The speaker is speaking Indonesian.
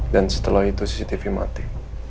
dan setelah itu cctv mati